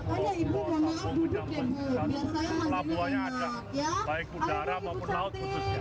semua semua menyambung pelabuhannya ada baik udara maupun laut